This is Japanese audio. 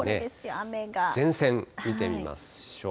前線、見てみましょう。